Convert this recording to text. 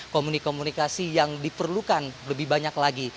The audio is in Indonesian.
komunikasi komunikasi yang diperlukan lebih banyak lagi